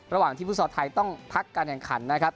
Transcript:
ระหว่างที่ฟุตซอลไทยต้องพักการแข่งขันนะครับ